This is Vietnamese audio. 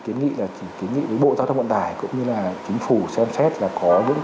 kiến nghị là kiến nghị với bộ giao thông vận tải cũng như là chính phủ xem xét là có những